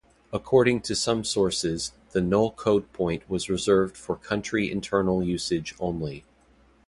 According to some sources, the Null code point was reserved for country-internal usage only.